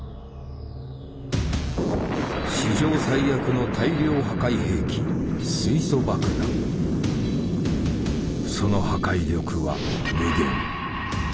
史上最悪の大量破壊兵器その破壊力は無限。